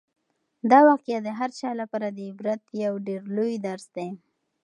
دا واقعه د هر چا لپاره د عبرت یو ډېر لوی درس دی.